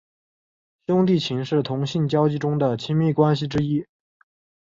兄弟情是同性交际中的亲密关系之一。